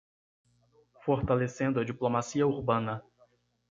Fortalecendo a diplomacia urbana